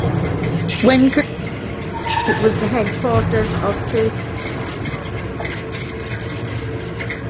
When constructed, it was the headquarters of First Chicago Corporation.